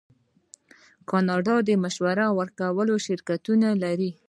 کاناډا د مشورې ورکولو شرکتونه لري.